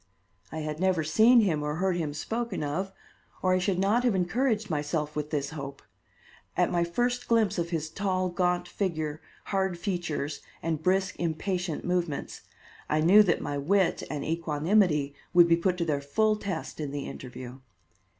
I had never seen him or heard him spoken of, or I should not have encouraged myself with this hope. At my first glimpse of his tall, gaunt figure, hard features, and brisk impatient movements, I knew that my wit and equanimity would be put to their full test in the interview.